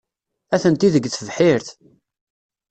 Atenti deg tebḥirt.